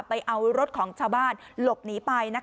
ไปเอารถของชาวบ้านหลบหนีไป